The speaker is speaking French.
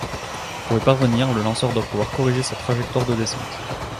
Pour y parvenir le lanceur doit pouvoir corriger sa trajectoire de descente.